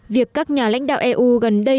việc các nhà lãnh đạo eu gần đây